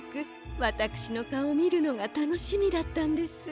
わたくしのかおをみるのがたのしみだったんです。